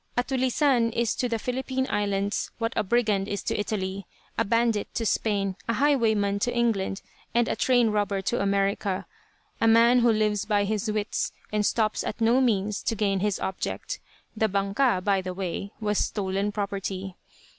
A "tulisane" is to the Philippine Islands what a brigand is to Italy, a bandit to Spain, a highwayman to England, and a train robber to America; a man who lives by his wits, and stops at no means to gain his object. The "banca," by the way, was stolen property.